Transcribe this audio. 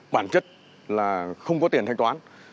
bản chất là không có tiền thanh toán